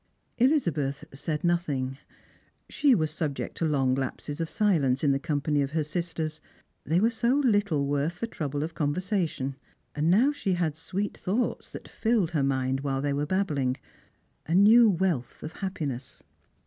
EUzabeth said nothing. She was subject to long lapses of silence in the company of her sisters. They were so little worth the trouble of conversation. And now she had sweet thoughts that filled her mind while they were babbling,— a new wealth of happiness.